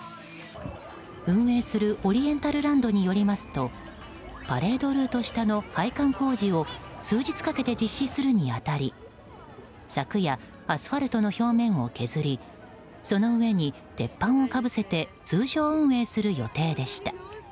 運営するオリエンタルランドによりますとパレードルート下の配管工事を数日かけて実施するに当たり昨夜、アスファルトの表面を削りその上に鉄板をかぶせて通常運営する予定でした。